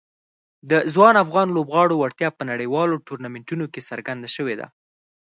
د ځوان افغان لوبغاړو وړتیا په نړیوالو ټورنمنټونو کې څرګنده شوې ده.